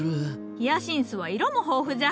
ヒアシンスは色も豊富じゃ。